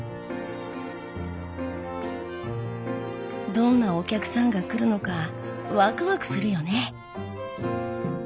どんなお客さんが来るのかワクワクするよね。